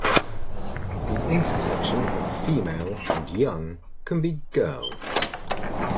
The intersection of "female" and "young" can be "girl".